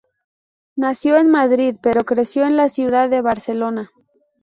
Nació en Madrid pero creció en la ciudad de Barcelona.